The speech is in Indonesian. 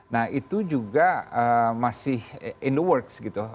nah itu juga masih in the works gitu